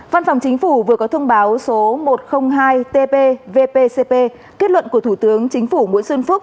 văn phòng chính phủ vừa có thông báo số một trăm linh hai tb vpcp kết luận của thủ tướng chính phủ nguyễn xuân phúc